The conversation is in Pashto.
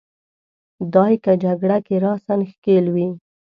دای که جګړه کې راساً ښکېل وي.